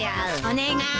お願い。